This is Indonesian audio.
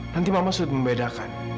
nanti mama sudah membedakan